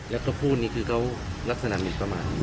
แล้วก็พูดนี่คือเขาลักษณะหมินประมาท